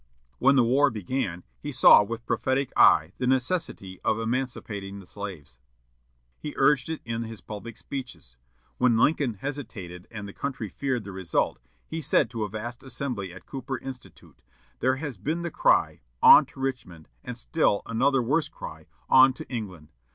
When the war began, he saw with prophetic eye the necessity of emancipating the slaves. He urged it in his public speeches. When Lincoln hesitated and the country feared the result, he said to a vast assembly at Cooper Institute, "There has been the cry, 'On to Richmond!' and still another worse cry, 'On to England!'